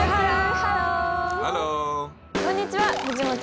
こんにちは藤本